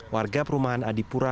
warga perumahan adipura